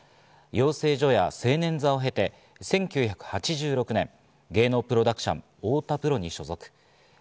養成所や青年座を経て、１９８６年、芸能プロダクション・太田プロに所属。